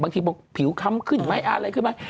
บางทีบอกผิวค้ำขึ้นไหมอะไรขึ้นไหม